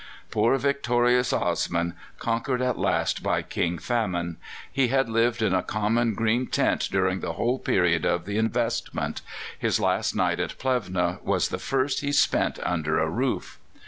Poor victorious Osman! conquered at last by King Famine. He had lived in a common green tent during the whole period of the investment; his last night at Plevna was the first he spent under a roof.